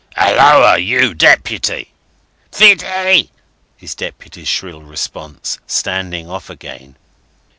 —Holloa you Deputy!" "Widdy!" is Deputy's shrill response, standing off again.